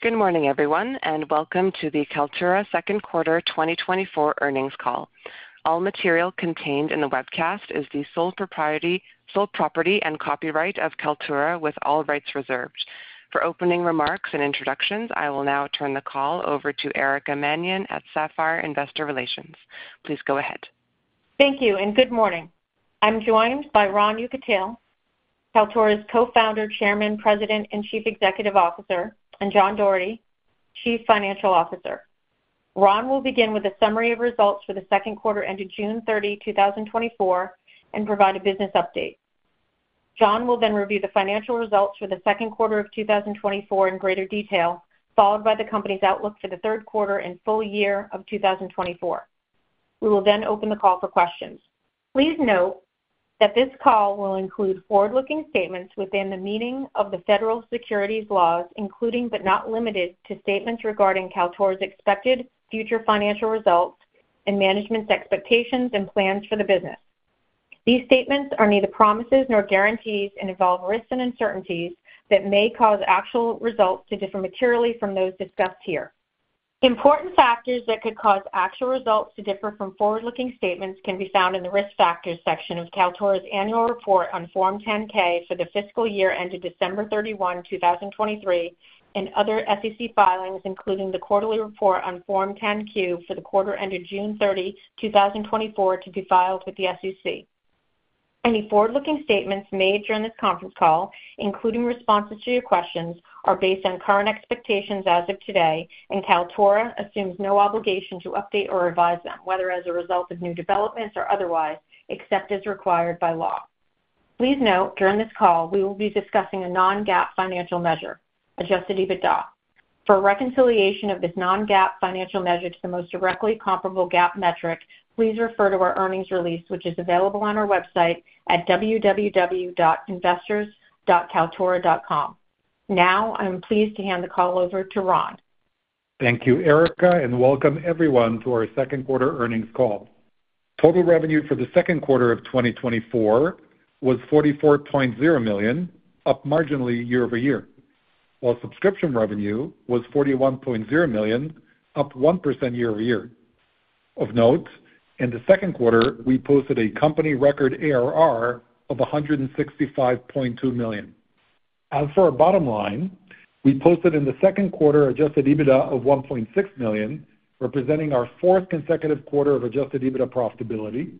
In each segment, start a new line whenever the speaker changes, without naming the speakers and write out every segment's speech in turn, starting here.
Good morning, everyone, and welcome to the Kaltura second quarter 2024 earnings call. All material contained in the webcast is the sole property and copyright of Kaltura, with all rights reserved. For opening remarks and introductions, I will now turn the call over to Erica Manion at Sapphire Investor Relations. Please go ahead.
Thank you, and good morning. I'm joined by Ron Yekutiel, Kaltura's co-founder, chairman, president, and Chief Executive Officer, and John Dougherty, Chief Financial Officer. Ron will begin with a summary of results for the second quarter ended June 30, 2024, and provide a business update. John will then review the financial results for the second quarter of 2024 in greater detail, followed by the company's outlook for the third quarter and full year of 2024. We will then open the call for questions. Please note that this call will include forward-looking statements within the meaning of the federal securities laws, including but not limited to statements regarding Kaltura's expected future financial results and management's expectations and plans for the business. These statements are neither promises nor guarantees, and involve risks and uncertainties that may cause actual results to differ materially from those discussed here. Important factors that could cause actual results to differ from forward-looking statements can be found in the Risk Factors section of Kaltura's annual report on Form 10-K for the fiscal year ended December 31, 2023, and other SEC filings, including the quarterly report on Form 10-Q for the quarter ended June 30, 2024, to be filed with the SEC. Any forward-looking statements made during this conference call, including responses to your questions, are based on current expectations as of today, and Kaltura assumes no obligation to update or revise them, whether as a result of new developments or otherwise, except as required by law. Please note, during this call, we will be discussing a non-GAAP financial measure, Adjusted EBITDA. For a reconciliation of this non-GAAP financial measure to the most directly comparable GAAP metric, please refer to our earnings release, which is available on our website at www.investors.kaltura.com. Now, I'm pleased to hand the call over to Ron.
Thank you, Erica, and welcome everyone to our second quarter earnings call. Total revenue for the second quarter of 2024 was $44.0 million, up marginally year-over-year, while subscription revenue was $41.0 million, up 1% year-over-year. Of note, in the second quarter, we posted a company record ARR of $165.2 million. As for our bottom line, we posted in the second quarter adjusted EBITDA of $1.6 million, representing our fourth consecutive quarter of adjusted EBITDA profitability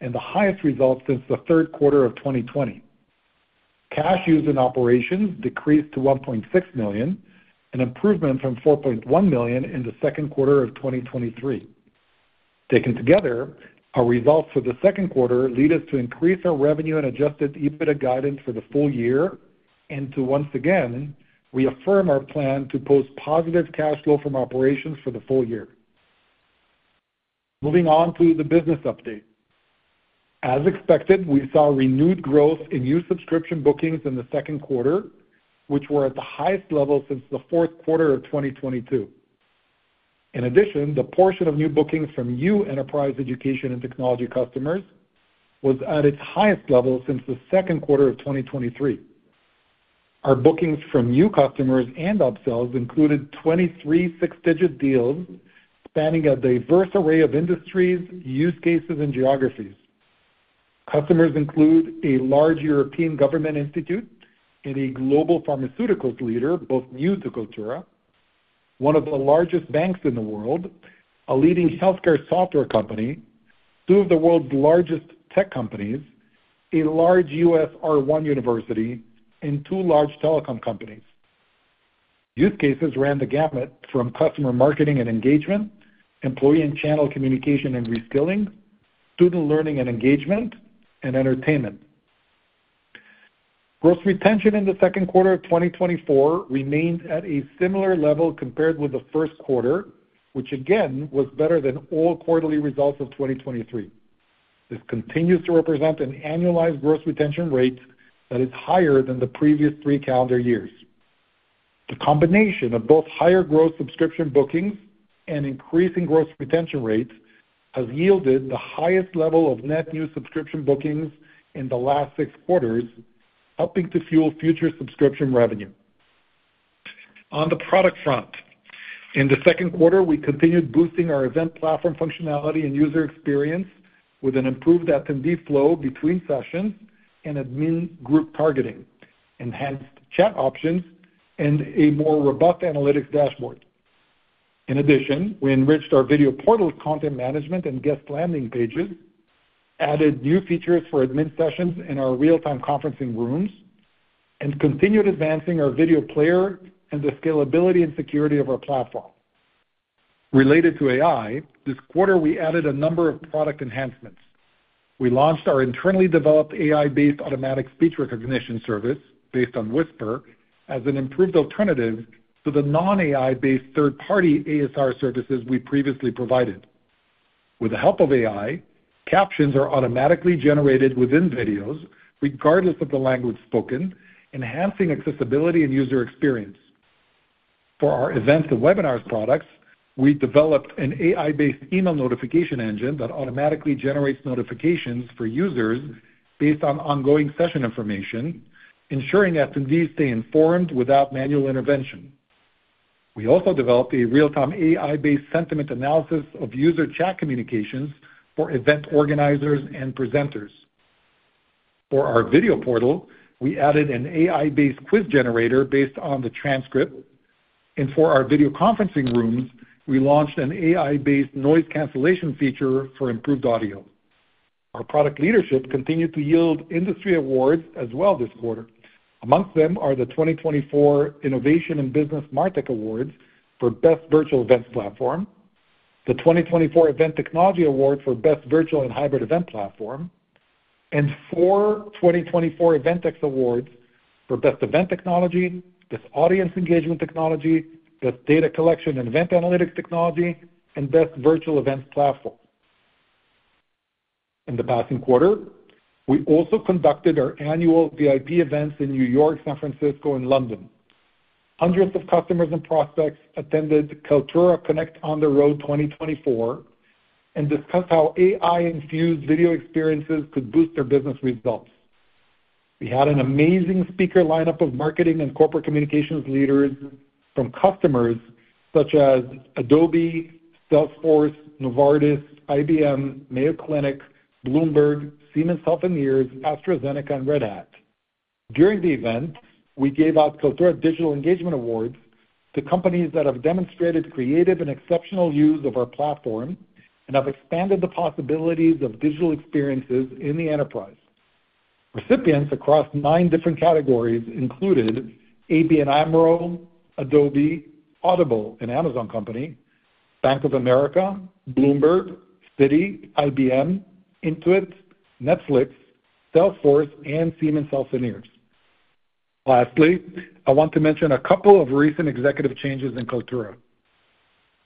and the highest result since the third quarter of 2020. Cash used in operations decreased to $1.6 million, an improvement from $4.1 million in the second quarter of 2023. Taken together, our results for the second quarter lead us to increase our revenue and adjusted EBITDA guidance for the full year, and to once again reaffirm our plan to post positive cash flow from operations for the full year. Moving on to the business update. As expected, we saw renewed growth in new subscription bookings in the second quarter, which were at the highest level since the fourth quarter of 2022. In addition, the portion of new bookings from new enterprise, education, and technology customers was at its highest level since the second quarter of 2023. Our bookings from new customers and upsells included 23 six-digit deals spanning a diverse array of industries, use cases, and geographies. Customers include a large European government institute and a global pharmaceuticals leader, both new to Kaltura, 1 of the largest banks in the world, a leading healthcare software company, 2 of the world's largest tech companies, a large U.S. R1 university, and 2 large telecom companies. Use cases ran the gamut from customer marketing and engagement, employee and channel communication and reskilling, student learning and engagement, and entertainment. Gross retention in the second quarter of 2024 remained at a similar level compared with the first quarter, which again, was better than all quarterly results of 2023. This continues to represent an annualized gross retention rate that is higher than the previous 3 calendar years. The combination of both higher gross subscription bookings and increasing gross retention rates has yielded the highest level of net new subscription bookings in the last 6 quarters, helping to fuel future subscription revenue. On the product front, in the second quarter, we continued boosting our event platform functionality and user experience with an improved SMB flow between sessions and admin group targeting, enhanced chat options, and a more robust analytics dashboard. In addition, we enriched our video portal with content management and guest landing pages, added new features for admin sessions in our real-time conferencing rooms, and continued advancing our video player and the scalability and security of our platform. Related to AI, this quarter, we added a number of product enhancements. We launched our internally developed AI-based automatic speech recognition service, based on Whisper, as an improved alternative to the non-AI-based third-party ASR services we previously provided. With the help of AI, captions are automatically generated within videos, regardless of the language spoken, enhancing accessibility and user experience. For our events and webinars products-... We developed an AI-based email notification engine that automatically generates notifications for users based on ongoing session information, ensuring SMBs stay informed without manual intervention. We also developed a real-time AI-based sentiment analysis of user chat communications for event organizers and presenters. For our video portal, we added an AI-based quiz generator based on the transcript, and for our video conferencing rooms, we launched an AI-based noise cancellation feature for improved audio. Our product leadership continued to yield industry awards as well this quarter. Among them are the 2024 Innovation in Business MarTech Awards for Best Virtual Events Platform, the 2024 Event Technology Award for Best Virtual and Hybrid Event Platform, and four 2024 Eventex Awards for Best Event Technology, Best Audience Engagement Technology, Best Data Collection and Event Analytics Technology, and Best Virtual Events Platform. In the passing quarter, we also conducted our annual VIP events in New York, San Francisco, and London. Hundreds of customers and prospects attended Kaltura Connect on the Road 2024, and discussed how AI-infused video experiences could boost their business results. We had an amazing speaker lineup of marketing and corporate communications leaders from customers such as Adobe, Salesforce, Novartis, IBM, Mayo Clinic, Bloomberg, Siemens Healthineers, AstraZeneca, and Red Hat. During the event, we gave out Kaltura Digital Engagement Awards to companies that have demonstrated creative and exceptional use of our platform and have expanded the possibilities of digital experiences in the enterprise. Recipients across nine different categories included ABN AMRO, Adobe, Audible, an Amazon company, Bank of America, Bloomberg, Citi, IBM, Intuit, Netflix, Salesforce, and Siemens Healthineers. Lastly, I want to mention a couple of recent executive changes in Kaltura.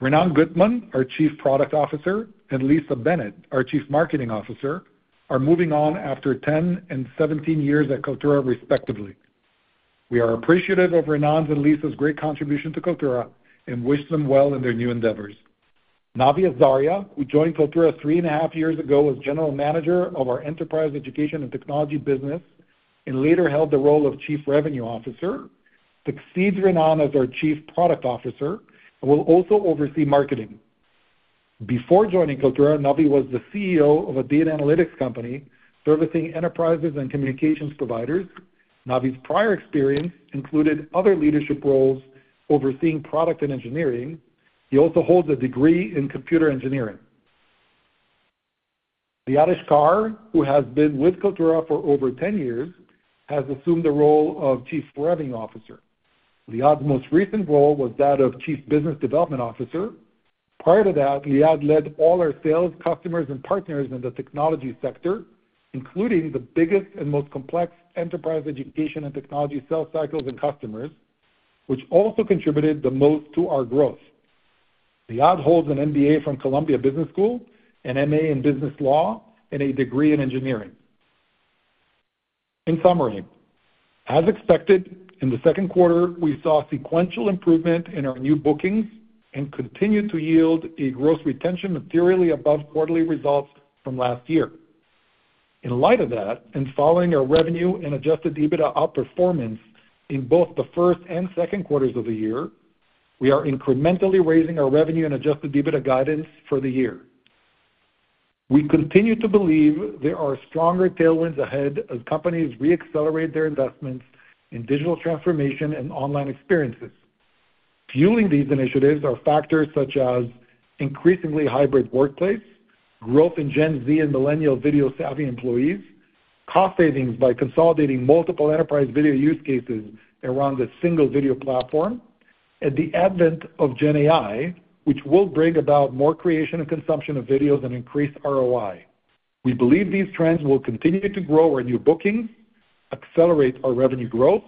Rinon Guttman, our Chief Product Officer, and Lisa Bennett, our Chief Marketing Officer, are moving on after 10 and 17 years at Kaltura, respectively. We are appreciative of Rinon's and Lisa's great contribution to Kaltura and wish them well in their new endeavors. Navi Azaria, who joined Kaltura 3.5 years ago as General Manager of our Enterprise Education and Technology business and later held the role of Chief Revenue Officer, succeeds Rinon as our Chief Product Officer and will also oversee marketing. Before joining Kaltura, Navi was the CEO of a data analytics company servicing enterprises and communications providers. Navi's prior experience included other leadership roles overseeing product and engineering. He also holds a degree in computer engineering. Liad Iskar, who has been with Kaltura for over 10 years, has assumed the role of Chief Revenue Officer. Liad's most recent role was that of Chief Business Development Officer. Prior to that, Liad led all our sales, customers, and partners in the technology sector, including the biggest and most complex enterprise education and technology sales cycles and customers, which also contributed the most to our growth. Liad holds an MBA from Columbia Business School, an MA in Business Law, and a degree in engineering. In summary, as expected, in the second quarter, we saw sequential improvement in our new bookings and continued to yield a gross retention materially above quarterly results from last year. In light of that, and following our revenue and Adjusted EBITDA outperformance in both the first and second quarters of the year, we are incrementally raising our revenue and Adjusted EBITDA guidance for the year. We continue to believe there are stronger tailwinds ahead as companies reaccelerate their investments in digital transformation and online experiences. Fueling these initiatives are factors such as increasingly hybrid workplace, growth in Gen Z and millennial video-savvy employees, cost savings by consolidating multiple enterprise video use cases around a single video platform, and the advent of GenAI, which will bring about more creation and consumption of videos and increase ROI. We believe these trends will continue to grow our new bookings, accelerate our revenue growth,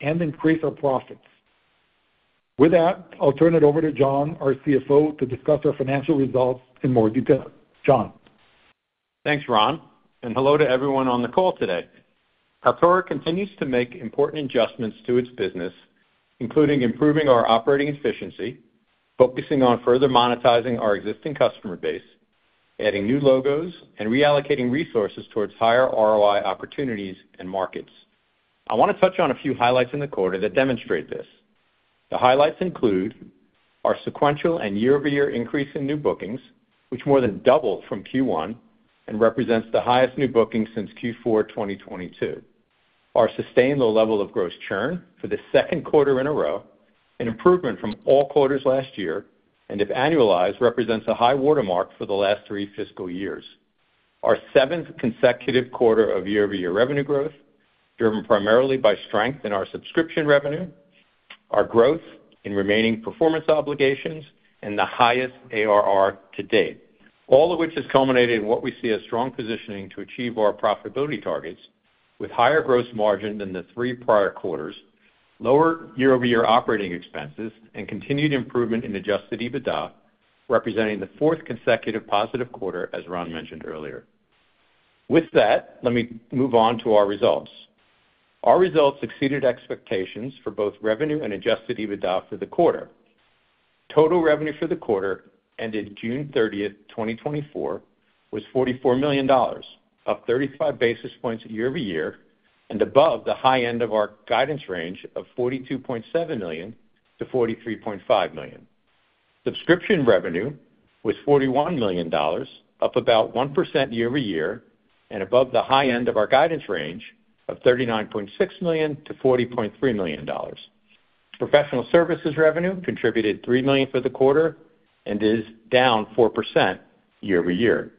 and increase our profits. With that, I'll turn it over to John, our CFO, to discuss our financial results in more detail. John?
Thanks, Ron, and hello to everyone on the call today. Kaltura continues to make important adjustments to its business, including improving our operating efficiency, focusing on further monetizing our existing customer base, adding new logos, and reallocating resources towards higher ROI opportunities and markets. I want to touch on a few highlights in the quarter that demonstrate this. The highlights include our sequential and year-over-year increase in new bookings, which more than doubled from Q1 and represents the highest new booking since Q4 2022. Our sustainable level of gross churn for the second quarter in a row, an improvement from all quarters last year, and if annualized, represents a high watermark for the last three fiscal years. Our seventh consecutive quarter of year-over-year revenue growth, driven primarily by strength in our subscription revenue, our growth in remaining performance obligations, and the highest ARR to date. All of which has culminated in what we see as strong positioning to achieve our profitability targets with higher gross margin than the three prior quarters, lower year-over-year operating expenses, and continued improvement in Adjusted EBITDA, representing the fourth consecutive positive quarter, as Ron mentioned earlier.... With that, let me move on to our results. Our results exceeded expectations for both revenue and Adjusted EBITDA for the quarter. Total revenue for the quarter, ended June 30, 2024, was $44 million, up 35 basis points year-over-year and above the high end of our guidance range of $42.7 million-$43.5 million. Subscription revenue was $41 million, up about 1% year-over-year, and above the high end of our guidance range of $39.6 million-$40.3 million. Professional services revenue contributed $3 million for the quarter and is down 4% year-over-year.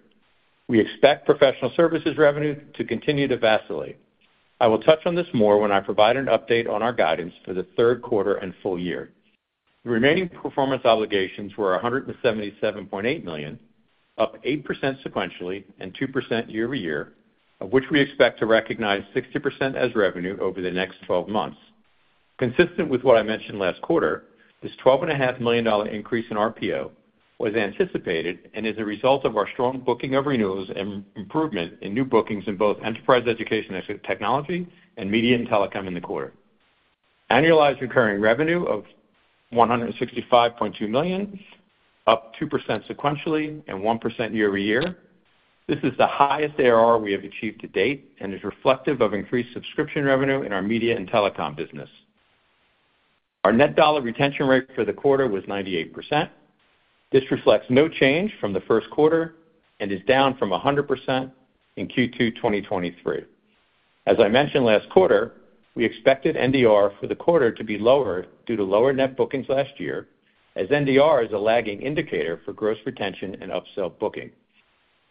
We expect professional services revenue to continue to vacillate. I will touch on this more when I provide an update on our guidance for the third quarter and full year. The Remaining Performance Obligations were $177.8 million, up 8% sequentially and 2% year-over-year, of which we expect to recognize 60% as revenue over the next twelve months. Consistent with what I mentioned last quarter, this $12.5 million-dollar increase in RPO was anticipated and is a result of our strong booking of renewals and improvement in new bookings in both enterprise education and technology, and media and telecom in the quarter. Annualized Recurring Revenue of $165.2 million, up 2% sequentially and 1% year-over-year. This is the highest ARR we have achieved to date, and is reflective of increased subscription revenue in our media and telecom business. Our net dollar retention rate for the quarter was 98%. This reflects no change from the first quarter and is down from 100% in Q2 2023. As I mentioned last quarter, we expected NDR for the quarter to be lower due to lower net bookings last year, as NDR is a lagging indicator for gross retention and upsell booking.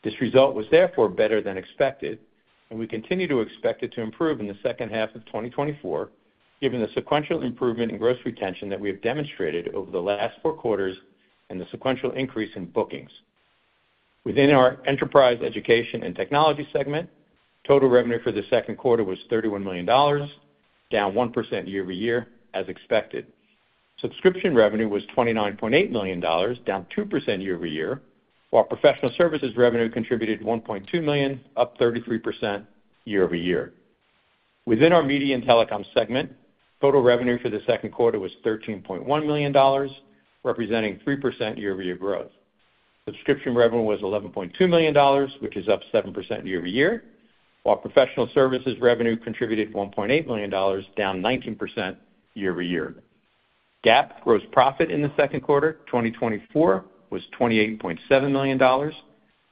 This result was therefore better than expected, and we continue to expect it to improve in the second half of 2024, given the sequential improvement in gross retention that we have demonstrated over the last four quarters and the sequential increase in bookings. Within our enterprise, education, and technology segment, total revenue for the second quarter was $31 million, down 1% year-over-year, as expected. Subscription revenue was $29.8 million, down 2% year-over-year, while professional services revenue contributed $1.2 million, up 33% year-over-year. Within our media and telecom segment, total revenue for the second quarter was $13.1 million, representing 3% year-over-year growth. Subscription revenue was $11.2 million, which is up 7% year-over-year, while professional services revenue contributed $1.8 million, down 19% year-over-year. GAAP gross profit in the second quarter 2024 was $28.7 million,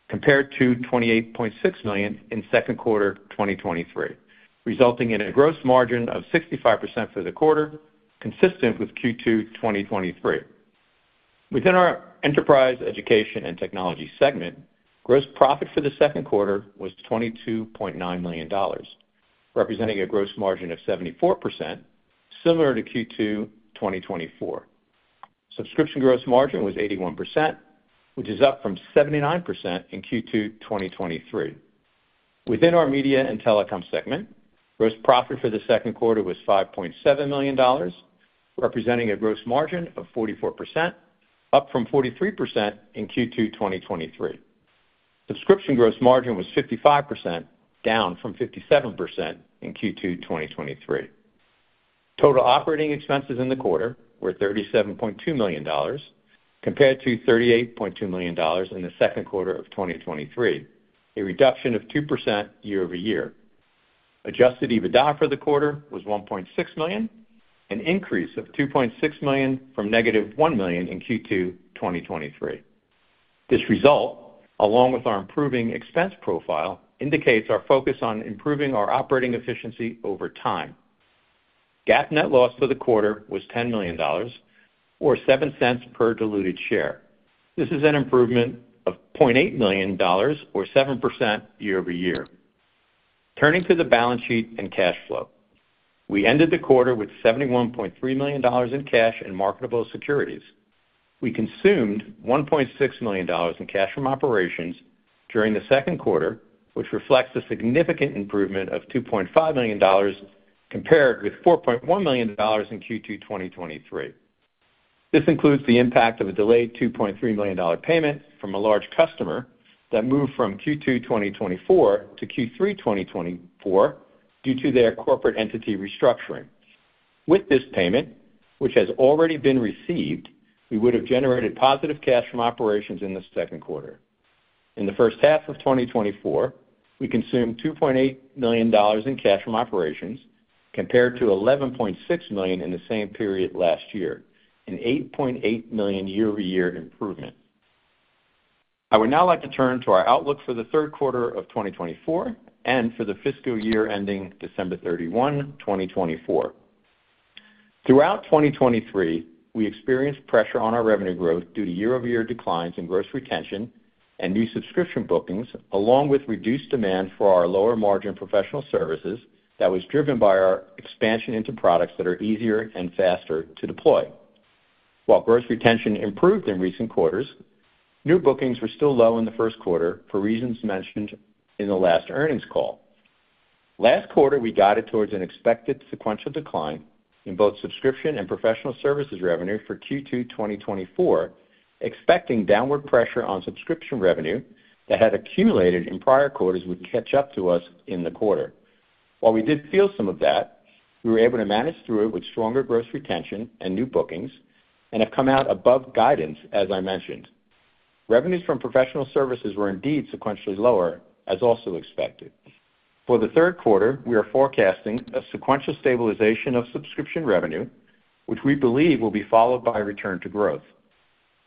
compared to $28.6 million in second quarter 2023, resulting in a gross margin of 65% for the quarter, consistent with Q2 2023. Within our enterprise, education, and technology segment, gross profit for the second quarter was $22.9 million, representing a gross margin of 74%, similar to Q2 2024. Subscription gross margin was 81%, which is up from 79% in Q2 2023. Within our media and telecom segment, gross profit for the second quarter was $5.7 million, representing a gross margin of 44%, up from 43% in Q2 2023. Subscription gross margin was 55%, down from 57% in Q2 2023. Total operating expenses in the quarter were $37.2 million, compared to $38.2 million in the second quarter of 2023, a reduction of 2% year-over-year. Adjusted EBITDA for the quarter was $1.6 million, an increase of $2.6 million from -$1 million in Q2 2023. This result, along with our improving expense profile, indicates our focus on improving our operating efficiency over time. GAAP net loss for the quarter was $10 million, or $0.07 per diluted share. This is an improvement of $0.8 million, or 7% year-over-year. Turning to the balance sheet and cash flow. We ended the quarter with $71.3 million in cash and marketable securities. We consumed $1.6 million in cash from operations during the second quarter, which reflects a significant improvement of $2.5 million, compared with $4.1 million in Q2 2023. This includes the impact of a delayed $2.3 million payment from a large customer that moved from Q2 2024 to Q3 2024 due to their corporate entity restructuring. With this payment, which has already been received, we would have generated positive cash from operations in the second quarter. In the first half of 2024, we consumed $2.8 million in cash from operations, compared to $11.6 million in the same period last year, an $8.8 million year-over-year improvement. I would now like to turn to our outlook for the third quarter of 2024 and for the fiscal year ending December 31, 2024. Throughout 2023, we experienced pressure on our revenue growth due to year-over-year declines in gross retention and new subscription bookings, along with reduced demand for our lower-margin professional services that was driven by our expansion into products that are easier and faster to deploy. While gross retention improved in recent quarters, new bookings were still low in the first quarter for reasons mentioned in the last earnings call. Last quarter, we guided towards an expected sequential decline in both subscription and professional services revenue for Q2 2024, expecting downward pressure on subscription revenue that had accumulated in prior quarters would catch up to us in the quarter. While we did feel some of that, we were able to manage through it with stronger gross retention and new bookings and have come out above guidance, as I mentioned. Revenues from professional services were indeed sequentially lower, as also expected. For the third quarter, we are forecasting a sequential stabilization of subscription revenue, which we believe will be followed by a return to growth.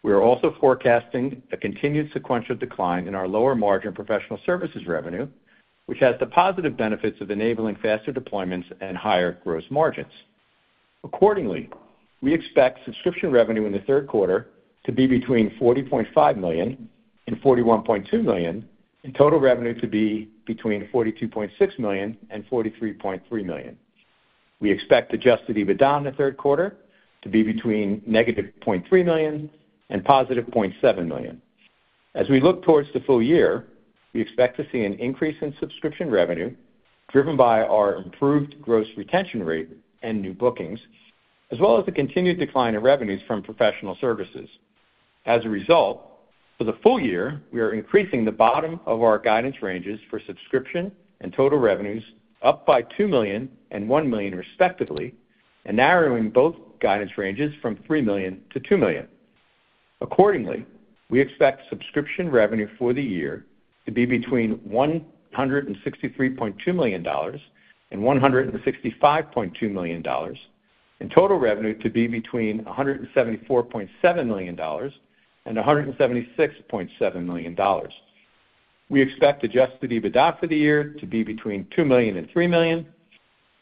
We are also forecasting a continued sequential decline in our lower-margin professional services revenue, which has the positive benefits of enabling faster deployments and higher gross margins. Accordingly, we expect subscription revenue in the third quarter to be between $40.5 million and $41.2 million, and total revenue to be between $42.6 million and $43.3 million. We expect Adjusted EBITDA in the third quarter to be between -$0.3 million and $0.7 million. As we look towards the full year, we expect to see an increase in subscription revenue, driven by our improved gross retention rate and new bookings, as well as the continued decline in revenues from professional services. As a result, for the full year, we are increasing the bottom of our guidance ranges for subscription and total revenues up by $2 million and $1 million, respectively, and narrowing both guidance ranges from $3 million to $2 million. Accordingly, we expect subscription revenue for the year to be between $163.2 million and $165.2 million, and total revenue to be between $174.7 million and $176.7 million. We expect adjusted EBITDA for the year to be between $2 million and $3 million,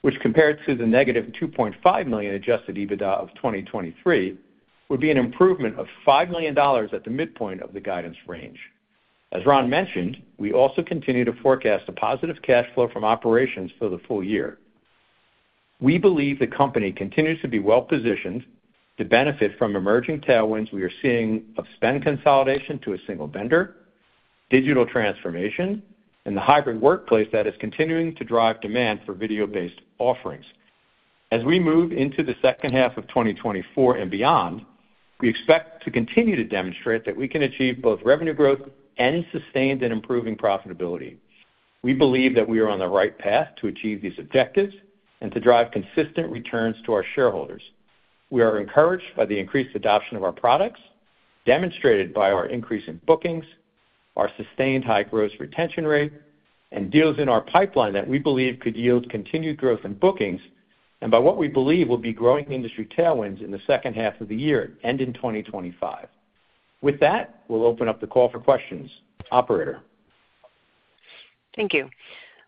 which compared to the negative $2.5 million adjusted EBITDA of 2023, would be an improvement of $5 million at the midpoint of the guidance range. As Ron mentioned, we also continue to forecast a positive cash flow from operations for the full year. We believe the company continues to be well-positioned to benefit from emerging tailwinds we are seeing of spend consolidation to a single vendor, digital transformation, and the hybrid workplace that is continuing to drive demand for video-based offerings. As we move into the second half of 2024 and beyond, we expect to continue to demonstrate that we can achieve both revenue growth and sustained and improving profitability. We believe that we are on the right path to achieve these objectives and to drive consistent returns to our shareholders. We are encouraged by the increased adoption of our products, demonstrated by our increase in bookings, our sustained high gross retention rate, and deals in our pipeline that we believe could yield continued growth in bookings and by what we believe will be growing industry tailwinds in the second half of the year and in 2025. With that, we'll open up the call for questions. Operator?
Thank you.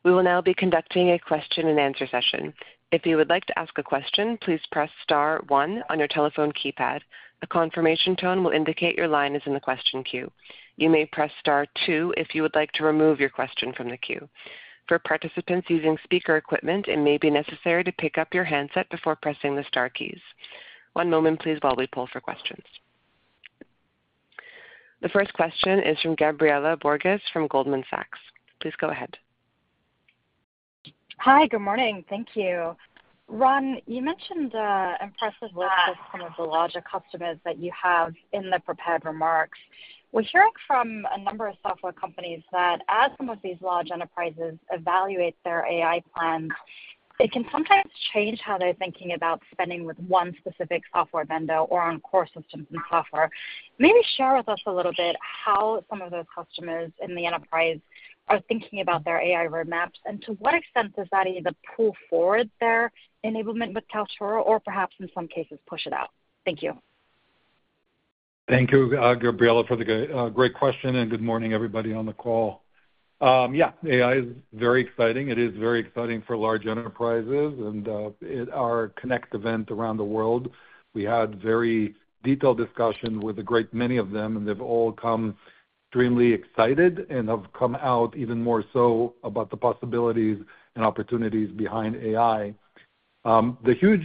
We will now be conducting a question-and-answer session. If you would like to ask a question, please press star one on your telephone keypad. A confirmation tone will indicate your line is in the question queue. You may press star two if you would like to remove your question from the queue. For participants using speaker equipment, it may be necessary to pick up your handset before pressing the star keys. One moment, please, while we poll for questions. The first question is from Gabriela Borges from Goldman Sachs. Please go ahead.
Hi, good morning. Thank you. Ron, you mentioned impressive list of some of the larger customers that you have in the prepared remarks. We're hearing from a number of software companies that as some of these large enterprises evaluate their AI plans, it can sometimes change how they're thinking about spending with one specific software vendor or on core systems and software. Maybe share with us a little bit how some of those customers in the enterprise are thinking about their AI roadmaps, and to what extent does that either pull forward their enablement with Kaltura, or perhaps in some cases, push it out? Thank you.
Thank you, Gabriela, for the great question, and good morning, everybody on the call. Yeah, AI is very exciting. It is very exciting for large enterprises and, at our Connect event around the world, we had very detailed discussions with a great many of them, and they've all come extremely excited and have come out even more so about the possibilities and opportunities behind AI. The huge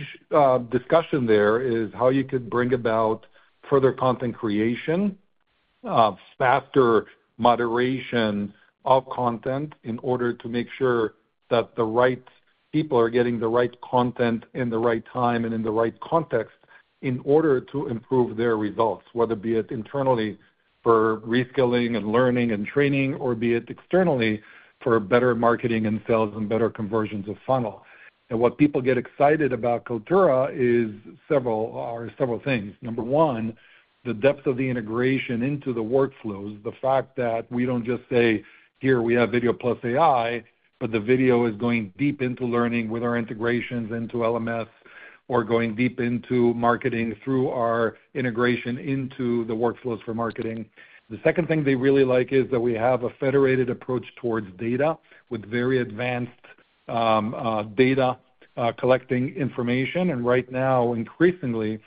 discussion there is how you could bring about further content creation, faster moderation of content in order to make sure that the right people are getting the right content in the right time and in the right context in order to improve their results, whether be it internally for reskilling and learning and training, or be it externally for better marketing and sales and better conversions of funnel. What people get excited about Kaltura is several things. Number one, the depth of the integration into the workflows, the fact that we don't just say, "Here, we have video plus AI," but the video is going deep into learning with our integrations into LMS or going deep into marketing through our integration into the workflows for marketing. The second thing they really like is that we have a federated approach towards data with very advanced data collecting information. And right now, increasingly,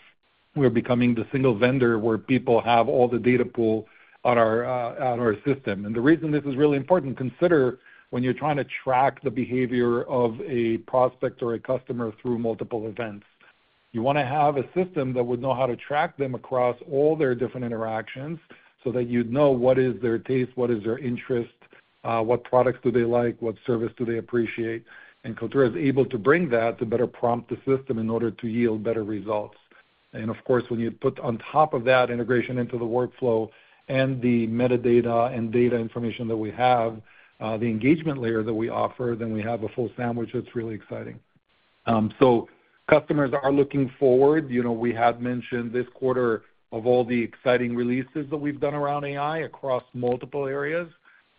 we're becoming the single vendor where people have all the data pool on our system. And the reason this is really important, consider when you're trying to track the behavior of a prospect or a customer through multiple events.... You wanna have a system that would know how to track them across all their different interactions, so that you'd know what is their taste, what is their interest, what products do they like, what service do they appreciate. Kaltura is able to bring that to better prompt the system in order to yield better results. And of course, when you put on top of that integration into the workflow and the metadata and data information that we have, the engagement layer that we offer, then we have a full sandwich that's really exciting. Customers are looking forward. You know, we have mentioned this quarter of all the exciting releases that we've done around AI across multiple areas.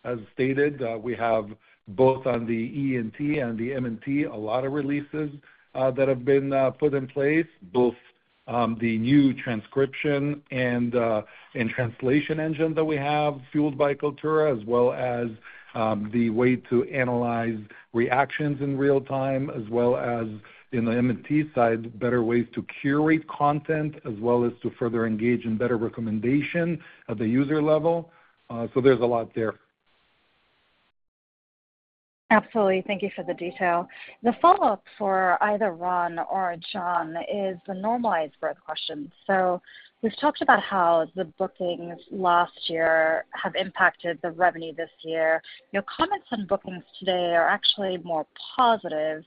As stated, we have both on the E&T and the M&T a lot of releases that have been put in place, both the new transcription and translation engine that we have, fueled by Kaltura, as well as the way to analyze reactions in real time, as well as in the M&T side, better ways to curate content, as well as to further engage in better recommendation at the user level. There's a lot there.
Absolutely. Thank you for the detail. The follow-up for either Ron or John is the normalized growth question. So we've talked about how the bookings last year have impacted the revenue this year. Your comments on bookings today are actually more positive.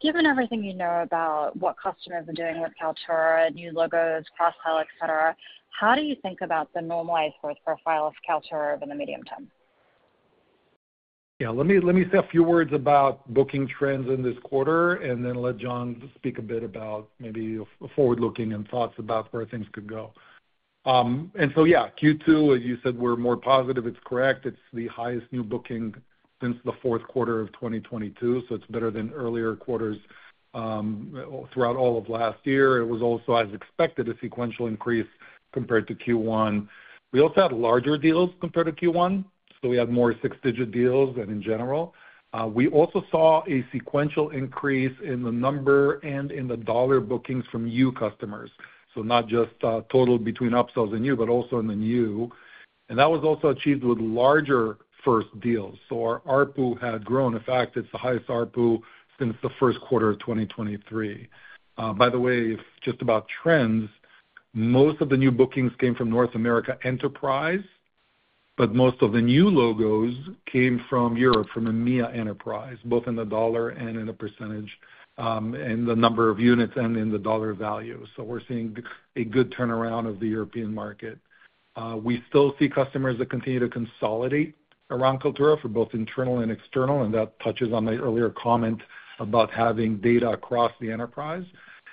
Given everything you know about what customers are doing with Kaltura, new logos, cross-sell, et cetera, how do you think about the normalized growth profile of Kaltura in the medium term?
Yeah, let me, let me say a few words about booking trends in this quarter, and then let John speak a bit about maybe a forward-looking and thoughts about where things could go. And so, yeah, Q2, as you said, we're more positive. It's correct. It's the highest new booking since the fourth quarter of 2022, so it's better than earlier quarters, throughout all of last year. It was also, as expected, a sequential increase compared to Q1. We also had larger deals compared to Q1, so we had more six-digit deals than in general. We also saw a sequential increase in the number and in the dollar bookings from new customers. So not just, total between upsells and new, but also in the new. That was also achieved with larger first deals. So our ARPU had grown. In fact, it's the highest ARPU since the first quarter of 2023. By the way, just about trends, most of the new bookings came from North America Enterprise, but most of the new logos came from Europe, from EMEA Enterprise, both in the dollar and in a percentage, in the number of units and in the dollar value. So we're seeing a good turnaround of the European market. We still see customers that continue to consolidate around Kaltura for both internal and external, and that touches on my earlier comment about having data across the enterprise.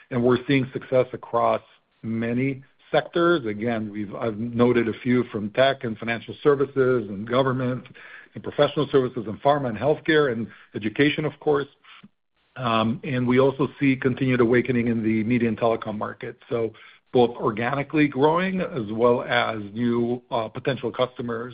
And we're seeing success across many sectors. Again, I've noted a few from tech and financial services and government and professional services and pharma and healthcare and education, of course. And we also see continued awakening in the media and telecom market. Both organically growing as well as new potential customers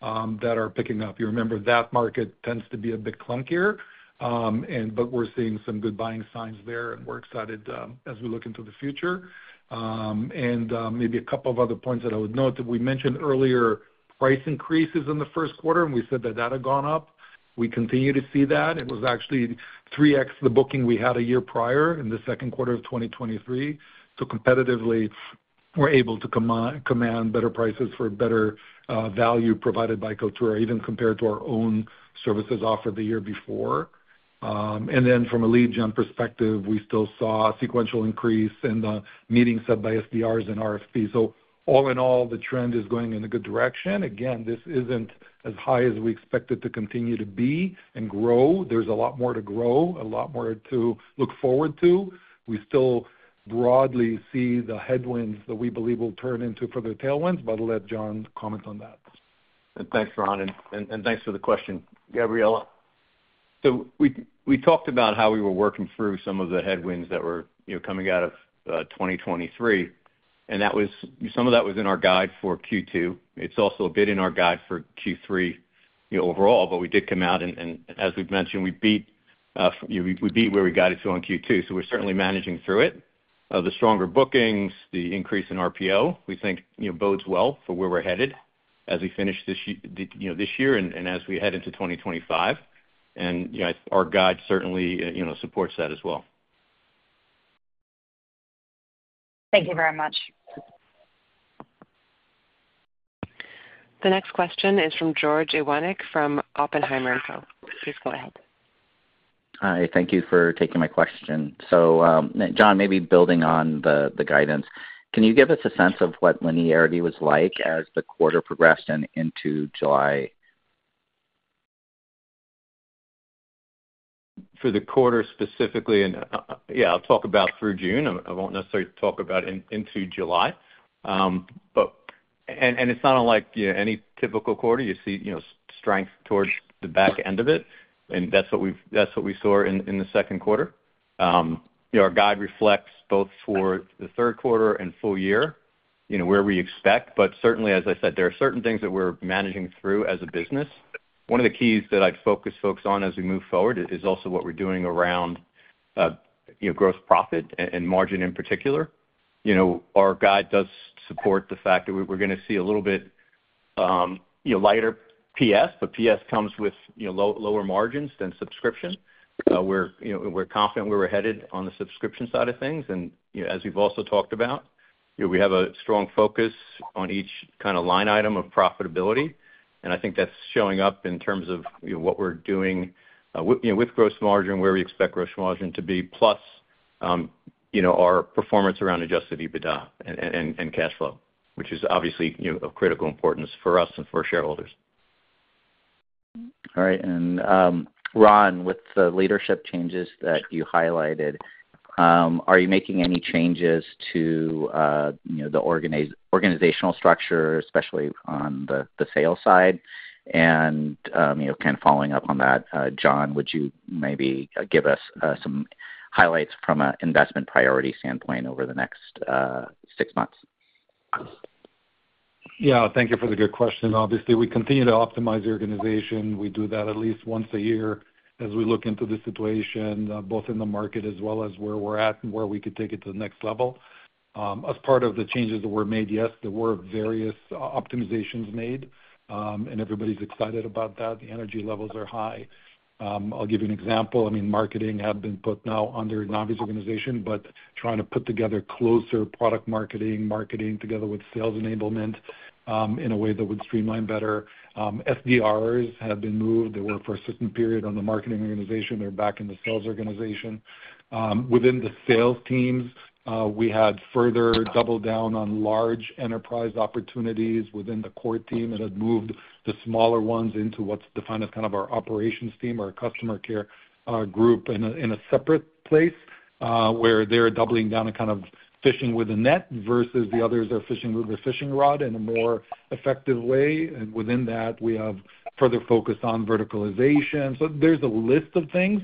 that are picking up. You remember, that market tends to be a bit clunkier, but we're seeing some good buying signs there, and we're excited as we look into the future. Maybe a couple of other points that I would note that we mentioned earlier, price increases in the first quarter, and we said that that had gone up. We continue to see that. It was actually 3x the booking we had a year prior in the second quarter of 2023. So competitively, we're able to command better prices for better value provided by Kaltura, even compared to our own services offered the year before. And then from a lead gen perspective, we still saw a sequential increase in the meetings set by SDRs and RFPs. All in all, the trend is going in a good direction. Again, this isn't as high as we expect it to continue to be and grow. There's a lot more to grow, a lot more to look forward to. We still broadly see the headwinds that we believe will turn into further tailwinds, but I'll let John comment on that.
Thanks, Ron, and thanks for the question, Gabriela. So we talked about how we were working through some of the headwinds that were, you know, coming out of 2023, and that was some of that was in our guide for Q2. It's also a bit in our guide for Q3, you know, overall, but we did come out, and as we've mentioned, we beat where we got it to on Q2, so we're certainly managing through it. The stronger bookings, the increase in RPO, we think, bodes well for where we're headed as we finish this year, you know, this year and as we head into 2025. Our guide certainly supports that as well.
Thank you very much.
The next question is from George Iwanyc, from Oppenheimer & Co. Please go ahead.
Hi, thank you for taking my question. John, maybe building on the guidance, can you give us a sense of what linearity was like as the quarter progressed and into July?
For the quarter specifically, and, yeah, I'll talk about through June. I won't necessarily talk about into July. It's not unlike, any typical quarter. You see, you know, strength towards the back end of it, and that's what we saw in the second quarter. Our guide reflects both for the third quarter and full year, you know, where we expect, but certainly, as I said, there are certain things that we're managing through as a business. One of the keys that I'd focus folks on as we move forward is also what we're doing around, yeah growth, profit, and margin in particular. Our guide does support the fact that we're going to see a little bit. Lighter PS, but PS comes with, you know, lower margins than subscription. We're, confident where we're headed on the subscription side of things. You know, as we've also talked about, you know, we have a strong focus on each line item of profitability, and I think that's showing up in terms of, you know, what we're doing with gross margin, where we expect gross margin to be plus our performance around Adjusted EBITDA and cash flow, which is obviously, you know, of critical importance for us and for our shareholders.
All right. Ron, with the leadership changes that you highlighted, are you making any changes to, you know, the organizational structure, especially on the sales side? And, you know, following up on that, John, would you maybe give us some highlights from an investment priority standpoint over the next six months?
Yeah, thank you for the good question. Obviously, we continue to optimize the organization. We do that at least once a year as we look into the situation, both in the market as well as where we're at and where we could take it to the next level. As part of the changes that were made, yes, there were various optimizations made, and everybody's excited about that. The energy levels are high. I'll give you an example. I mean, marketing have been put now under Navi's organization, but trying to put together closer product marketing, marketing together with sales enablement, in a way that would streamline better. SDRs have been moved. They were, for a short period, on the marketing organization. They're back in the sales organization. Within the sales teams, we had further doubled down on large enterprise opportunities within the core team and had moved the smaller ones into what's defined as our operations team, our customer care group, in a separate place, where they're doubling down and fishing with a net versus the others are fishing with a fishing rod in a more effective way. Within that, we have further focused on verticalization. There's a list of things.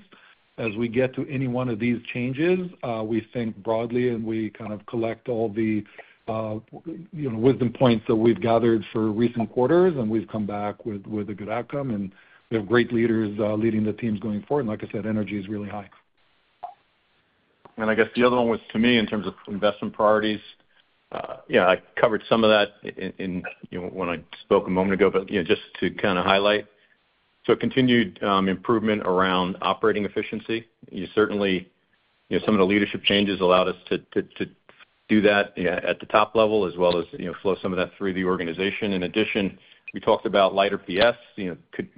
As we get to any one of these changes, we think broadly, and we collect all the wisdom points that we've gathered for recent quarters, and we've come back with a good outcome. We have great leaders leading the teams going forward. Like I said, energy is really high.
The other one was to me in terms of investment priorities. Yeah, I covered some of that in, you know, when I spoke a moment ago, but, you know, just to highlight. Continued improvement around operating efficiency. You certainly. Some of the leadership changes allowed us to do that, yeah, at the top level, as well as, you know, flow some of that through the organization. In addition, we talked about lighter PS.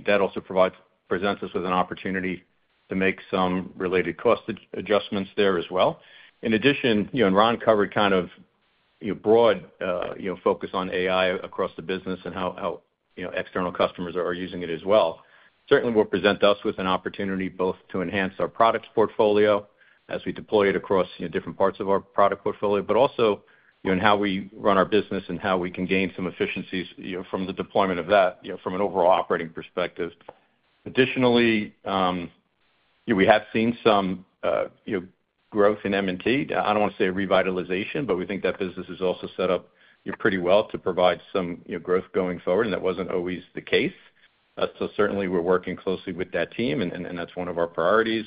That also provides, presents us with an opportunity to make some related cost adjustments there as well. In addition, you know, and Ron covered broad focus on AI across the business and how external customers are using it as well. Certainly will present us with an opportunity both to enhance our products portfolio as we deploy it across, you know, different parts of our product portfolio, but also, you know, and how we run our business and how we can gain some efficiencies, you know, from the deployment of that, you know, from an overall operating perspective. Additionally, we have seen some, you know, growth in M&T. I don't want to say revitalization, but we think that business is also set up, you know, pretty well to provide some growth going forward, and that wasn't always the case. Certainly we're working closely with that team, and that's one of our priorities.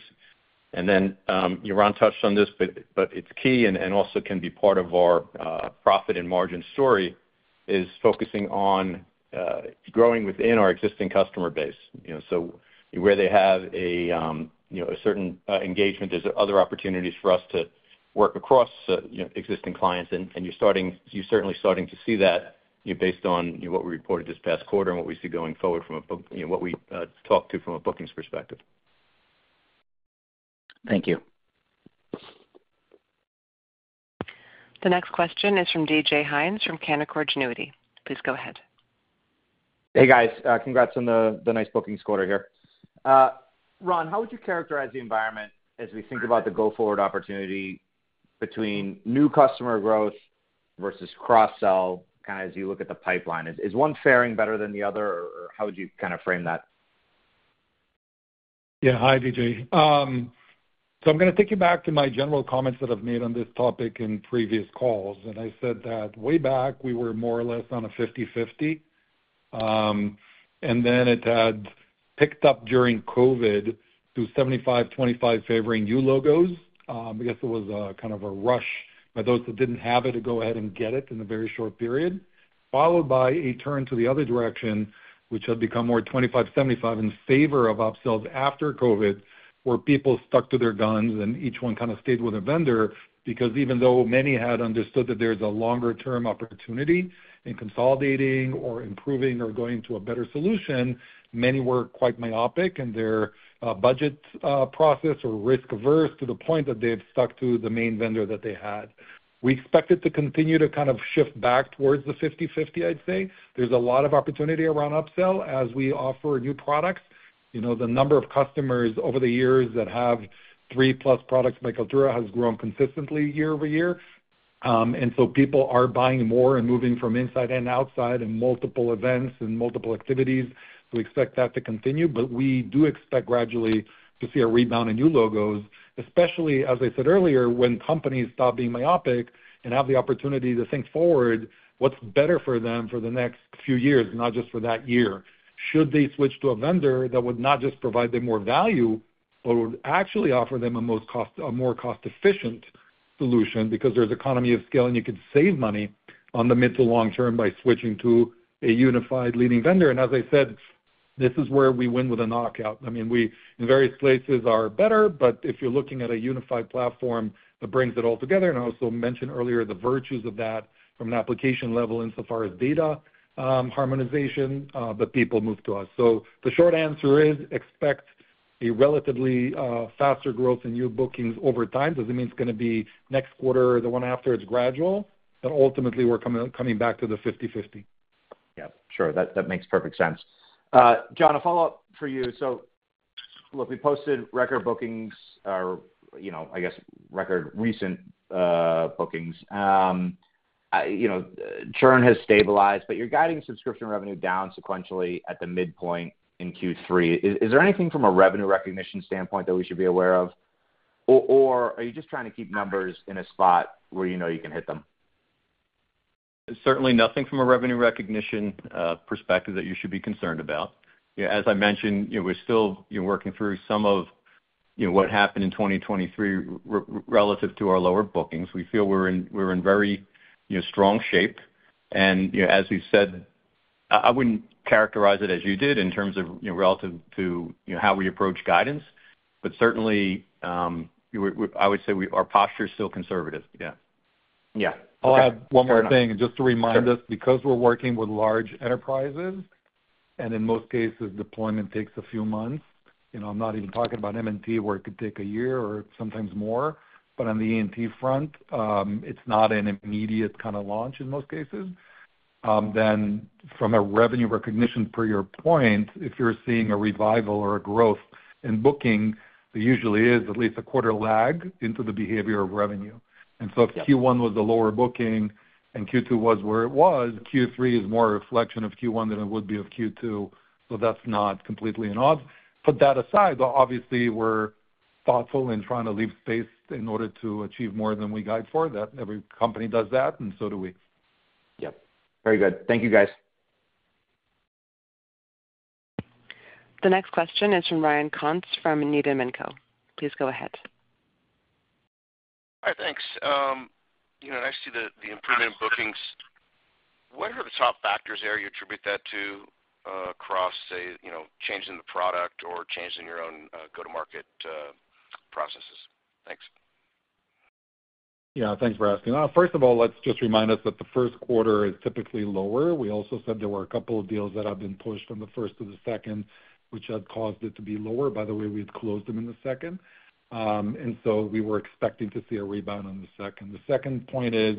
Ron touched on this, but, but it's key and, and also can be part of our, profit and margin story, is focusing on, growing within our existing customer base. You know, so where they have a, you know, a certain, engagement, there's other opportunities for us to work across, existing clients, and, and you're starting-- you're certainly starting to see that based on what we reported this past quarter and what we see going forward from a book... You know, what we, talked to from a bookings perspective.
Thank you.
The next question is from DJ Hines, from Canaccord Genuity. Please go ahead.
Hey, guys, congrats on the nice bookings quarter here. Ron, how would you characterize the environment as we think about the go-forward opportunity between new customer growth versus cross-sell, kinda as you look at the pipeline? Is one faring better than the other, or how would you frame that?
Yeah. Hi, DJ. So I'm gonna take you back to my general comments that I've made on this topic in previous calls, and I said that way back, we were more or less on a 50/50, and then it had picked up during COVID to 75/25 favoring new logos. I guess it was a rush by those that didn't have it, to go ahead and get it in a very short period, followed by a turn to the other direction, which had become more 25/75 in favor of upsells after COVID, where people stuck to their guns, and each one stayed with a vendor. Even though many had understood that there's a longer-term opportunity in consolidating or improving or going to a better solution, many were quite myopic in their budget process or risk-averse to the point that they've stuck to the main vendor that they had. We expect it to continue to shift back towards the 50/50, I'd say. There's a lot of opportunity around upsell as we offer new products. You know, the number of customers over the years that have 3+ products by Kaltura has grown consistently year-over-year. People are buying more and moving from inside and outside in multiple events and multiple activities, so we expect that to continue. We do expect gradually to see a rebound in new logos, especially, as I said earlier, when companies stop being myopic and have the opportunity to think forward, what's better for them for the next few years, not just for that year? Should they switch to a vendor that would not just provide them more value, but would actually offer them a more cost-efficient solution because there's economy of scale, and you can save money on the mid to long term by switching to a unified leading vendor. As I said, this is where we win with a knockout. I mean, we, in various places, are better, but if you're looking at a unified platform that brings it all together, and I also mentioned earlier the virtues of that from an application level insofar as data harmonization, but people move to us. The short answer is, expect a relatively faster growth in new bookings over time. Doesn't mean it's gonna be next quarter or the one after. It's gradual, but ultimately, we're coming back to the 50/50.
Yeah, sure. That makes perfect sense. John, a follow-up for you. Look, we posted record bookings or, you know, I guess, record recent bookings. You know, churn has stabilized, but you're guiding subscription revenue down sequentially at the midpoint in Q3. Is there anything from a revenue recognition standpoint that we should be aware of? Or are you just trying to keep numbers in a spot where you know you can hit them?
There's certainly nothing from a revenue recognition perspective that you should be concerned about. As I mentioned, you know, we're still, you know, working through some of what happened in 2023 relative to our lower bookings. We feel we're in, we're in very, you know, strong shape. And, you know, as we said, I, I wouldn't characterize it as you did in terms of, you know, relative to how we approach guidance, but certainly, I would say our posture is still conservative. Yeah.
Yeah.
I'll add one more thing, just to remind us, because we're working with large enterprises, and in most cases, deployment takes a few months. You know, I'm not even talking about M&T, where it could take a year or sometimes more, but on the E&T front, it's not an immediate launch in most cases. Then from a revenue recognition, per your point, if you're seeing a revival or a growth in booking, there usually is at least a quarter lag into the behavior of revenue.
Yeah.
So if Q1 was the lower booking and Q2 was where it was, Q3 is more a reflection of Q1 than it would be of Q2, so that's not completely an odd. Put that aside, but obviously, we're thoughtful in trying to leave space in order to achieve more than we guide for. That every company does that, and so do we.
Yep. Very good. Thank you, guys.
The next question is from Ryan Kontz, from Needham & Co. Please go ahead.
Hi, thanks. You know, I see the, the improvement in bookings. What are the top factors there you attribute that to, across, say, you know, change in the product or change in your own, go-to-market, processes? Thanks.
Yeah, thanks for asking. First of all, let's just remind us that the first quarter is typically lower. We also said there were a couple of deals that have been pushed from the first to the second, which had caused it to be lower. By the way, we'd closed them in the second. And so we were expecting to see a rebound on the second. The second point is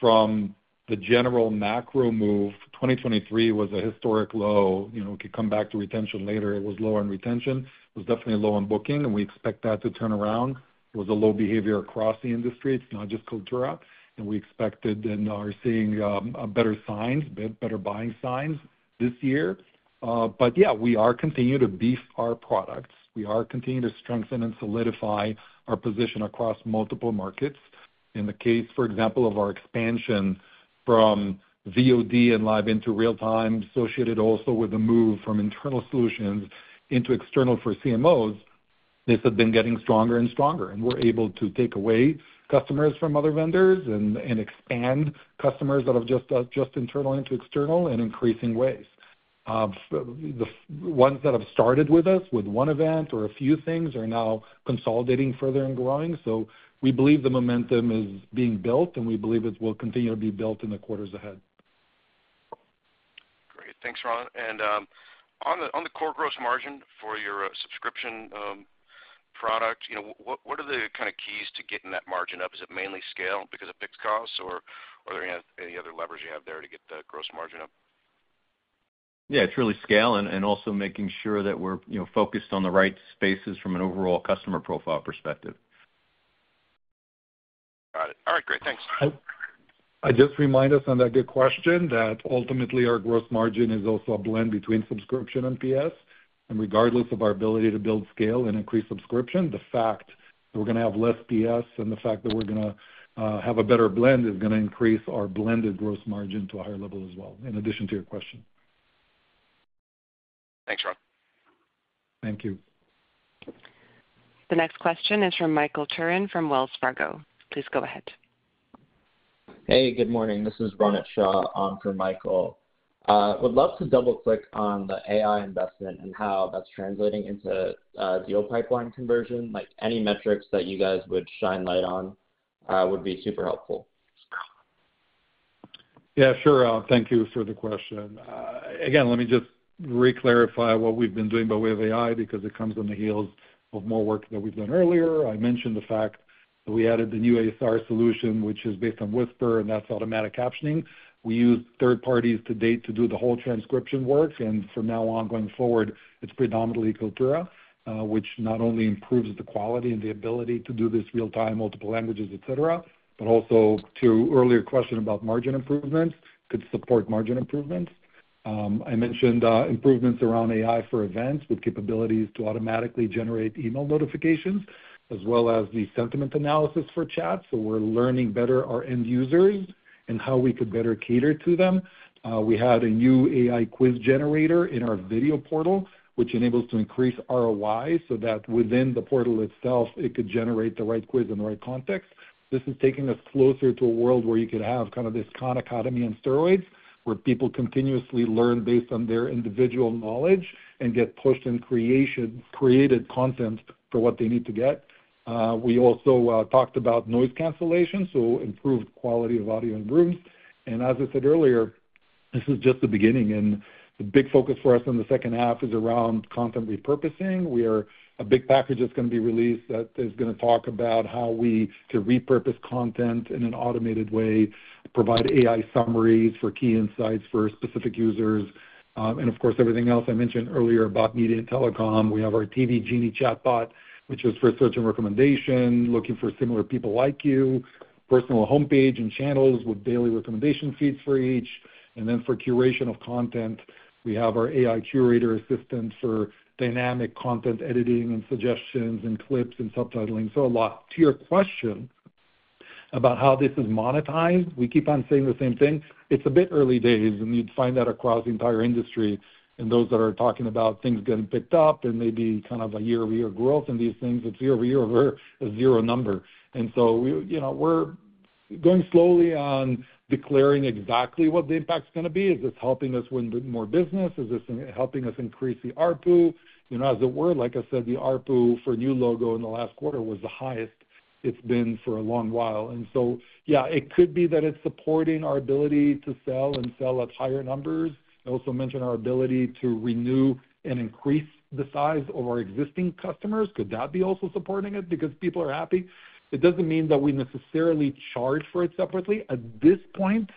from the general macro move, 2023 was a historic low. We could come back to retention later. It was low on retention. It was definitely low on booking, and we expect that to turn around. It was a low behavior across the industry, it's not just Kaltura, and we expected and are seeing better signs, better buying signs this year. We are continuing to beef our products. We are continuing to strengthen and solidify our position across multiple markets. In the case, for example, of our expansion from VOD and live into real time, associated also with the move from internal solutions into external for CMOs, this has been getting stronger and stronger, and we're able to take away customers from other vendors and expand customers that have just internal into external in increasing ways. The ones that have started with us with one event or a few things are now consolidating further and growing. We believe the momentum is being built, and we believe it will continue to be built in the quarters ahead.
Great. Thanks, Ron. On the core gross margin for your subscription product, what are the keys to getting that margin up? Is it mainly scale because of fixed costs, or are there any other levers you have there to get the gross margin up?
Yeah, it's really scale and also making sure that we're, you know, focused on the right spaces from an overall customer profile perspective.
Got it. All right, great. Thanks.
I just remind us on that good question, that ultimately our gross margin is also a blend between subscription and PS. Regardless of our ability to build scale and increase subscription, the fact that we're going to have less PS and the fact that we're going to have a better blend is going increase our blended gross margin to a higher level as well, in addition to your question.
Thanks, Ron.
Thank you.
The next question is from Michael Turrin, from Wells Fargo. Please go ahead.
Hey, good morning. This is Ronit Shah on for Michael. Would love to double-click on the AI investment and how that's translating into a deal pipeline conversion. Like, any metrics that you guys would shine light on, would be super helpful.
Yeah, sure, Ronit. Thank you for the question. Again, let me just reclarify what we've been doing by way of AI, because it comes on the heels of more work that we've done earlier. I mentioned the fact that we added the new ASR solution, which is based on Whisper, and that's automatic captioning. We used third parties to date to do the whole transcription work, and from now on, going forward, it's predominantly Kaltura, which not only improves the quality and the ability to do this real-time, multiple languages, et cetera, but also to earlier question about margin improvements, could support margin improvements. I mentioned improvements around AI for events, with capabilities to automatically generate email notifications, as well as the sentiment analysis for chat. So we're learning better our end users and how we could better cater to them. We had a new AI quiz generator in our video portal, which enables to increase ROI, so that within the portal itself, it could generate the right quiz in the right context. This is taking us closer to a world where you could have this Khan Academy on steroids, where people continuously learn based on their individual knowledge and get pushed in creation-created content for what they need to get. We also talked about noise cancellation, so improved quality of audio and rooms. As I said earlier, this is just the beginning, and the big focus for us on the second half is around content repurposing. A big package that's going to be released, that is going talk about how we can repurpose content in an automated way, provide AI summaries for key insights for specific users, and of course, everything else I mentioned earlier about media and telecom. We have our TV Genie chatbot, which is for search and recommendation, looking for similar people like you, personal homepage and channels with daily recommendation feeds for each. And then for curation of content, we have our AI curator assistant for dynamic content editing and suggestions and clips and subtitling. So a lot. To your question about how this is monetized, we keep on saying the same thing. It's a bit early days, and you'd find that across the entire industry, and those that are talking about things getting picked up and maybe a year-over-year growth in these things, it's year-over-year over a zero number. We're going slowly on declaring exactly what the impact's gonna be. Is this helping us win more business? Is this helping us increase the ARPU? You know, as it were, like I said, the ARPU for new logo in the last quarter was the highest it's been for a long while. Yeah, it could be that it's supporting our ability to sell and sell at higher numbers. I also mentioned our ability to renew and increase the size of our existing customers. Could that be also supporting it because people are happy? It doesn't mean that we necessarily charge for it separately. At this point,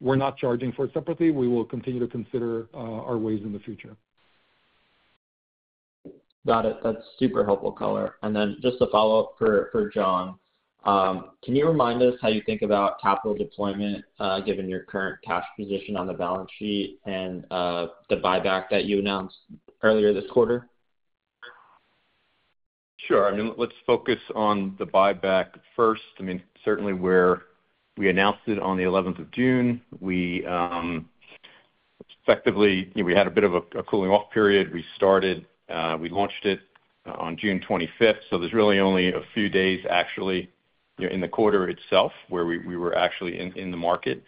we're not charging for it separately. We will continue to consider our ways in the future.
Got it. That's super helpful color. And then just a follow-up for John. Can you remind us how you think about capital deployment, given your current cash position on the balance sheet and the buyback that you announced earlier this quarter?
Sure. I mean, let's focus on the buyback first. I mean, certainly we announced it on the 11th of June. We effectively had a bit of a cooling-off period. We launched it on June 25th, so there's really only a few days, actually, you know, in the quarter itself, where we were actually in the market.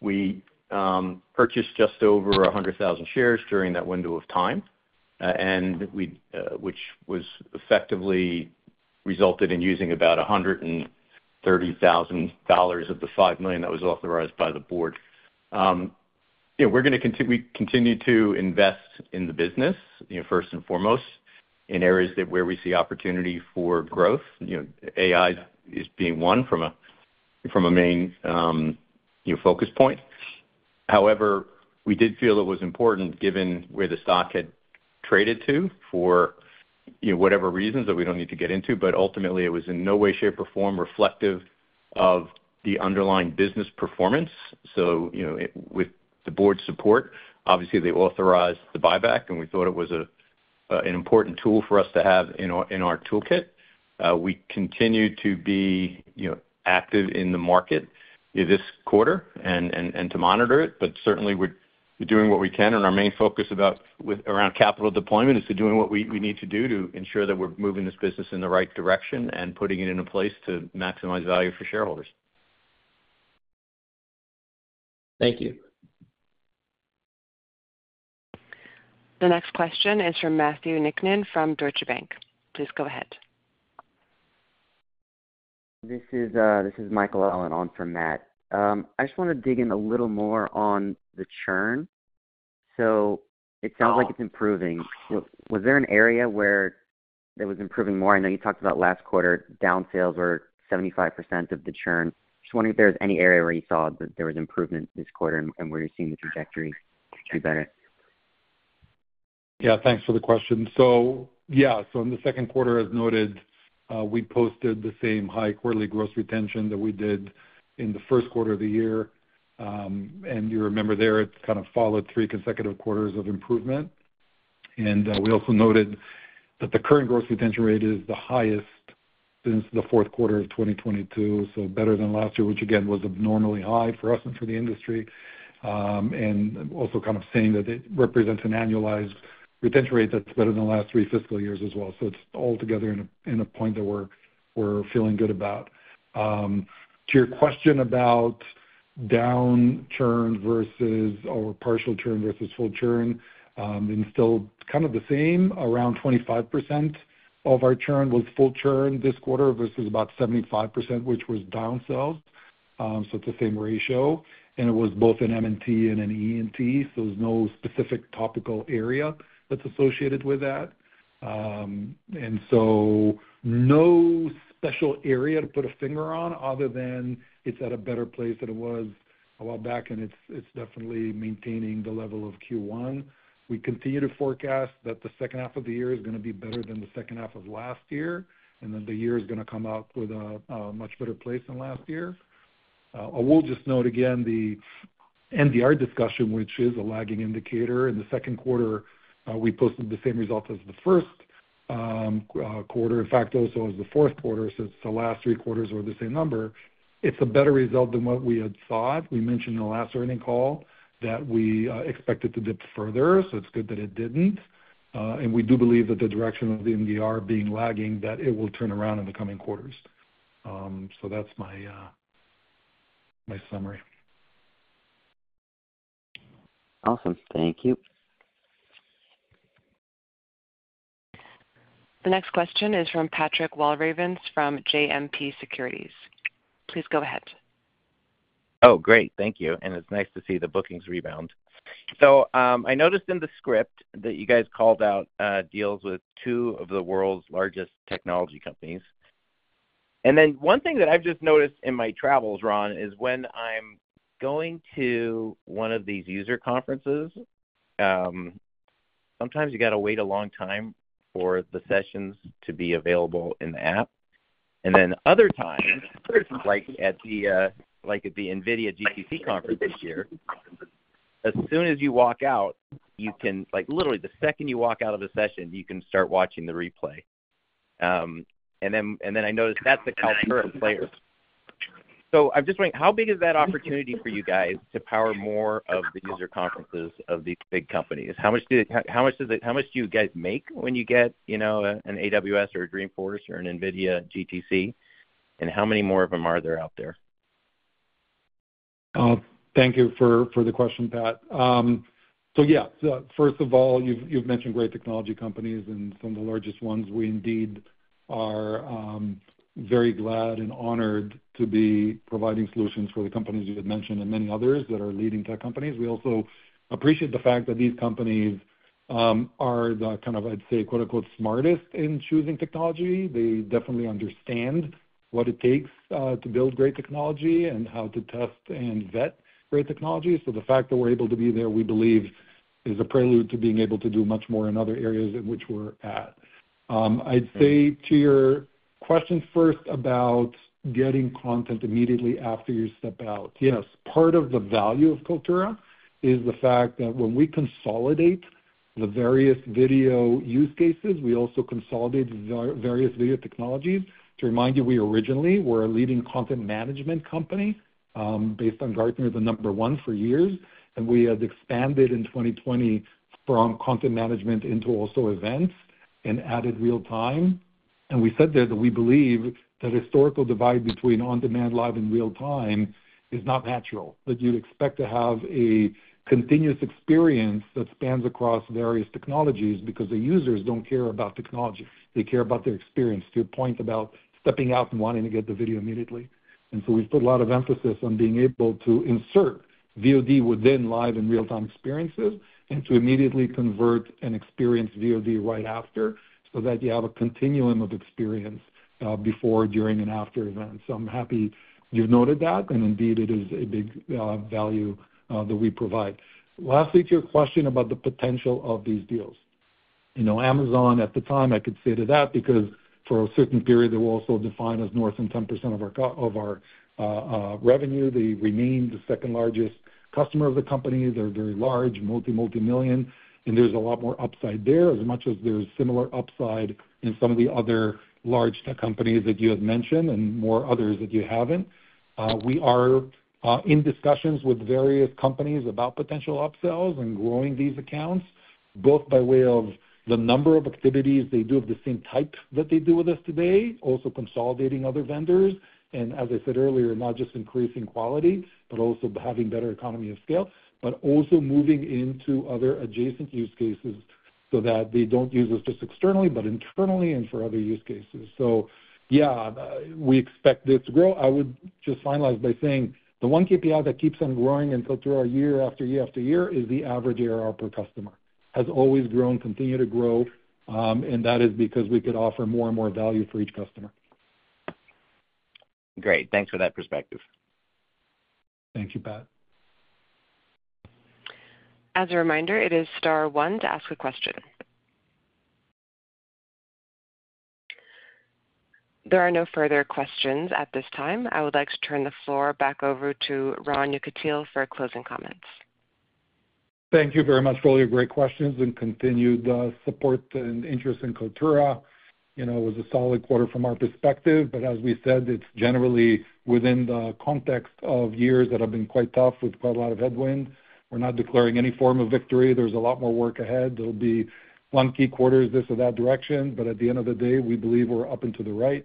We purchased just over 100,000 shares during that window of time, and which was effectively resulted in using about $130,000 of the $5 million that was authorized by the board. Yeah, we're gonna continue to invest in the business, you know, first and foremost, in areas that where we see opportunity for growth. You know, AI is being one from a main focus point. However, we did feel it was important, given where the stock had traded to, for, you know, whatever reasons that we don't need to get into, but ultimately it was in no way, shape, or form reflective of the underlying business performance. So, you know, with the board's support, obviously, they authorized the buyback, and we thought it was an important tool for us to have in our toolkit. We continue to be, you know, active in the market this quarter and to monitor it, but certainly we're doing what we can, and our main focus around capital deployment is to doing what we need to do to ensure that we're moving this business in the right direction and putting it in a place to maximize value for shareholders.
Thank you.
The next question is from Matthew Niknin from Deutsche Bank. Please go ahead.
This is, this is Michael Allen on from Matt. I just wanna dig in a little more on the churn. It sounds like it's improving. Was there an area where it was improving more? I know you talked about last quarter, down sales were 75% of the churn. Just wondering if there was any area where you saw that there was improvement this quarter and where you're seeing the trajectory to be better?
Yeah, thanks for the question. In the second quarter, as noted, we posted the same high quarterly gross retention that we did in the first quarter of the year. You remember there, it's followed 3 consecutive quarters of improvement. We also noted that the current gross retention rate is the highest since the fourth quarter of 2022, so better than last year, which again, was abnormally high for us and for the industry. Saying that it represents an annualized retention rate that's better than the last 3 fiscal years as well. It's all together in a point that we're feeling good about. To your question about down churn versus or partial churn versus full churn, and still the same, around 25% of our churn was full churn this quarter versus about 75, which was down sells. It's the same ratio, and it was both in M&T and in E&T, so there's no specific topical area that's associated with that. And so no special area to put a finger on other than it's at a better place than it was a while back, and it's, it's definitely maintaining the level of Q1. We continue to forecast that the second half of the year is gonna be better than the second half of last year, and that the year is gonna come out with a, a much better place than last year. I will just note again, the NDR discussion, which is a lagging indicator. In the second quarter, we posted the same results as the first quarter, in fact, also as the fourth quarter, so it's the last three quarters were the same number. It's a better result than what we had thought. We mentioned in the last earnings call that we expected to dip further, so it's good that it didn't. And we do believe that the direction of the NDR being lagging, that it will turn around in the coming quarters. That's my summary.
Awesome. Thank you.
The next question is from Patrick Walravens, from JMP Securities. Please go ahead.
Oh, great. Thank you. And it's nice to see the bookings rebound. I noticed in the script that you guys called out deals with two of the world's largest technology companies. And then one thing that I've just noticed in my travels, Ron, is when I'm going to one of these user conferences, sometimes you got to wait a long time for the sessions to be available in the app. Then other times, like at the NVIDIA GTC conference this year, as soon as you walk out, you can, like, literally, the second you walk out of the session, you can start watching the replay. And then I noticed that's the Kaltura player. I'm just wondering how big is that opportunity for you guys to power more of the user conferences of these big companies? How much do you guys make when you get, you know, an AWS or a Dreamforce or an NVIDIA GTC? How many more of them are there out there?
Thank you for the question, Pat. Yeah, first of all, you've mentioned great technology companies and some of the largest ones. We indeed are very glad and honored to be providing solutions for the companies you had mentioned and many others that are leading tech companies. We also appreciate the fact that these companies are the I'd say, quote, unquote, smartest in choosing technology. They definitely understand what it takes to build great technology and how to test and vet great technology. The fact that we're able to be there, we believe is a prelude to being able to do much more in other areas in which we're at. I'd say to your question first about getting content immediately after you step out. Yes, part of the value of Kaltura is the fact that when we consolidate the various video use cases, we also consolidate various video technologies. To remind you, we originally were a leading content management company, based on Gartner, the number one for years, and we have expanded in 2020 from content management into also events and added real time. And we said there that we believe the historical divide between on-demand, live, and real time is not natural, that you'd expect to have a continuous experience that spans across various technologies because the users don't care about technology. They care about their experience, to your point about stepping out and wanting to get the video immediately. We've put a lot of emphasis on being able to insert VOD within live and real-time experiences, and to immediately convert and experience VOD right after, so that you have a continuum of experience, before, during, and after events. I'm happy you noted that, and indeed, it is a big value that we provide. Lastly, to your question about the potential of these deals. Amazon, at the time, I could say to that because for a certain period, they were also defined as more than 10% of our co- of our revenue. They remain the second largest customer of the company. They're very large, multi-million, and there's a lot more upside there, as much as there's similar upside in some of the other large tech companies that you have mentioned and more others that you haven't. We are in discussions with various companies about potential upsells and growing these accounts, both by way of the number of activities they do of the same type that they do with us today, also consolidating other vendors, and as I said earlier, not just increasing quality, but also having better economy of scale, but also moving into other adjacent use cases so that they don't use us just externally, but internally and for other use cases. So yeah, we expect this to grow. I would just finalize by saying the one KPI that keeps on growing until through our year after year after year is the average ARR per customer. Has always grown, continue to grow, and that is because we could offer more and more value for each customer.
Great. Thanks for that perspective.
Thank you, Pat.
As a reminder, it is star one to ask a question. There are no further questions at this time. I would like to turn the floor back over to Ron Yekutiel for closing comments.
Thank you very much for all your great questions and continued support and interest in Kaltura. You know, it was a solid quarter from our perspective, but as we said, it's generally within the context of years that have been quite tough with quite a lot of headwind. We're not declaring any form of victory. There's a lot more work ahead. There'll be one key quarter, this or that direction, but at the end of the day, we believe we're up and to the right,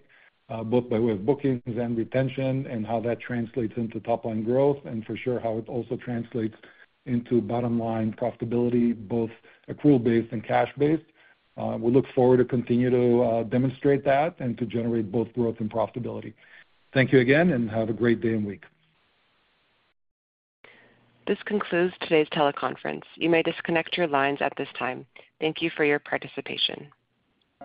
both by way of bookings and retention and how that translates into top-line growth, and for sure, how it also translates into bottom-line profitability, both accrual based and cash-based. We look forward to continue to demonstrate that and to generate both growth and profitability. Thank you again, and have a great day and week.
This concludes today's teleconference. You may disconnect your lines at this time. Thank you for your participation.